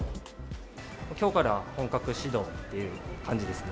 きょうから本格始動っていう感じですね。